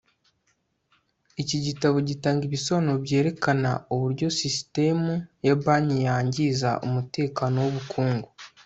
Iki gitabo gitanga ibisobanuro byerekana uburyo sisitemu ya banki yangiza umutekano wubukungu